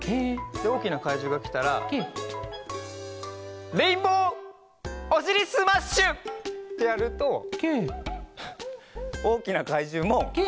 でおおきなかいじゅうがきたらレインボーおしりスマッシュ！ってやるとおおきなかいじゅうもレインボーにかがやきます。